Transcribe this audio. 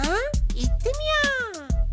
いってみよう！